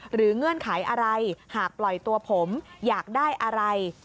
เงื่อนไขอะไรหากปล่อยตัวผมอยากได้อะไร